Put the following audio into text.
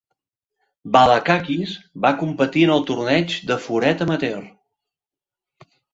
Balakakis va competir en el torneig de floret amateur.